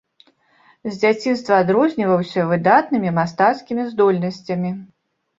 З дзяцінства адрозніваўся выдатнымі мастацкімі здольнасцямі.